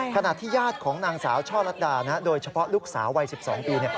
ขณะที่ญาติของนางสาวช่อลัดดาโดยเฉพาะลูกสาววัย๑๒ปี